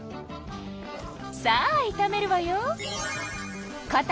さあいためるわよ。